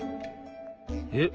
えっ？